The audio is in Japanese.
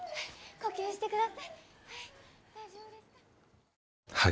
呼吸してください大丈夫ですか？